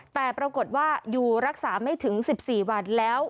แต่ปรากฏว่าอยู่รักษาไม่ถึง๑๔วันแล้ว